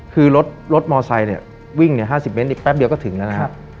คือรถมอไซค์เนี่ยวิ่ง๕๐เมตรอีกแป๊บเดียวก็ถึงแล้วนะครับ